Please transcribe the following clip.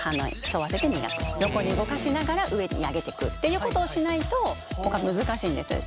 横に動かしながら上に上げてくっていうことをしないと難しいんです。